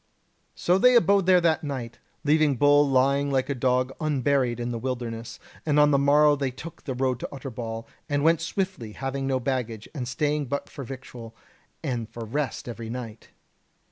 "So they abode there that night, leaving Bull lying like a dog unburied in the wilderness; and on the morrow they took the road to Utterbol, and went swiftly, having no baggage, and staying but for victual, and for rest every night.